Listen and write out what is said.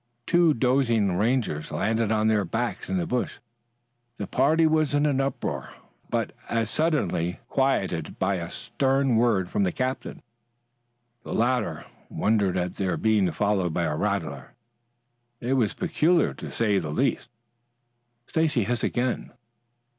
Two dozing Rangers landed on their backs in the bush. The party was in an uproar, but as suddenly quieted by a stern word from the captain. The latter wondered at their being followed by a rattler. It was peculiar to say the least. Stacy hissed again.